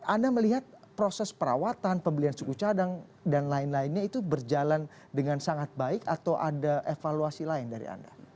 anda melihat proses perawatan pembelian suku cadang dan lain lainnya itu berjalan dengan sangat baik atau ada evaluasi lain dari anda